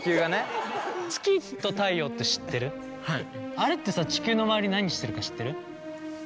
あれってさ地球の周り何してるか知ってる？